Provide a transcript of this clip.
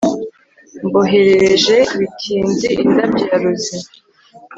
mboherereje, bitinze, indabyo ya rosie